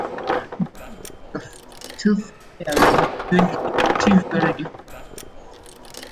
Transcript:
Belief in the tooth fairy is viewed in two very different ways.